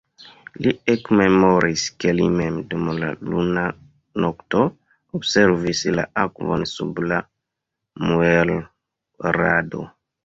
Li ekmemoris, ke li mem, dum luna nokto, observis la akvon sub la muelrado.